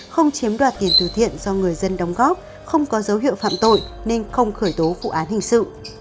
không chiếm đoạt tiền từ thiện do người dân đóng góp không có dấu hiệu phạm tội nên không khởi tố vụ án hình sự